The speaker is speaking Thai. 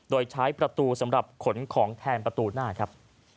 โดยใช้ประตูสำหรับขนของแทนประตูหน้าครับ